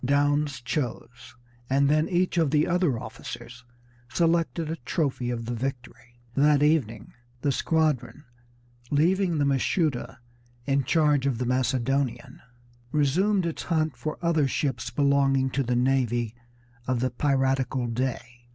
Downes chose, and then each of the other officers selected a trophy of the victory. That evening the squadron, leaving the Mashuda in charge of the Macedonian, resumed its hunt for other ships belonging to the navy of the piratical Dey.